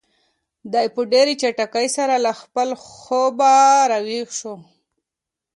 دی په ډېرې چټکۍ سره له خپل خوبه را ویښ شو.